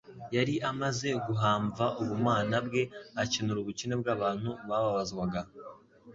Yari amaze guhamva ubumana bwe akenura ubukene bw'abantu bababazwaga.